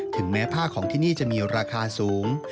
ถึงแม้ผ้าของที่นี่จะมีราคาสูง